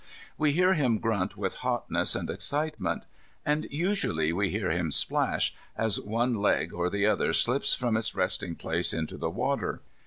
We hear him grunt with hotness and excitement. And usually we hear him splash, as one leg or the other slips from its resting place into the water.